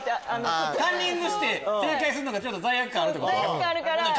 カンニングして正解するのが罪悪感あるってこと？